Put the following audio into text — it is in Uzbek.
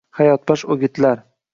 Hayotbaxsh o‘gitlar.